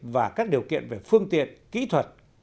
và các điều kiện về phương tiện kỹ thuật